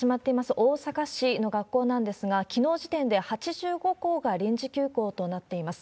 大阪市の学校なんですが、きのう時点で８５校が臨時休校となっています。